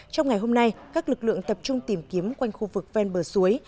trong ngày hôm nay các lực lượng tập trung tìm kiếm quanh khu vực ven bờ suối